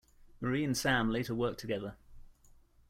Marie and Sam later worked together.